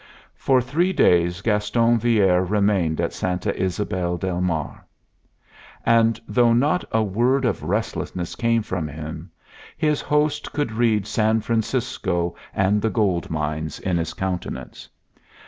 For three days Gaston Villere remained at Santa Ysabel del Mar; and though not a word of restlessness came from him, his host could read San Francisco and the gold mines in his countenance.